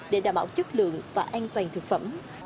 để đảm bảo chất lượng và an toàn thực phẩm